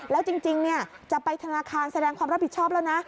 แล้วจริงจะไปธนาคารแสดงความรับผิดชอบแล้วนะ